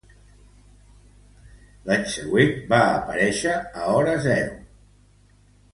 L'any següent va aparéixer a Hora Cero.